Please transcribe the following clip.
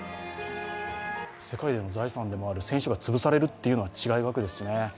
世界の財産でもある選手がつぶされるというのは違うわけですね。